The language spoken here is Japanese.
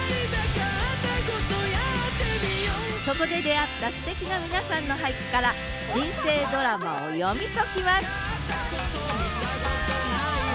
そこで出会ったすてきな皆さんの俳句から人生ドラマを読み解きます！